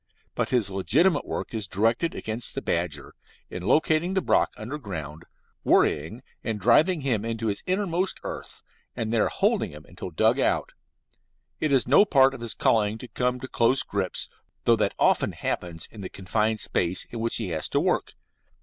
But his legitimate work is directed against the badger, in locating the brock under ground, worrying and driving him into his innermost earth, and there holding him until dug out. It is no part of his calling to come to close grips, though that often happens in the confined space in which he has to work.